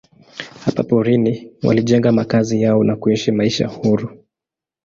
Hapa porini walijenga makazi yao na kuishi maisha huru.